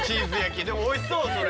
でもおいしそうそれ。